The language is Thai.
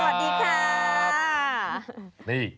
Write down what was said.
ถ่าด้านสวัสดีคะ